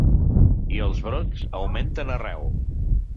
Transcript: I els brots augmenten arreu.